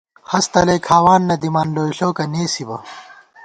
ہست تلئ کھاوان نہ دِمان ، لوئےݪوکہ نېسِبہ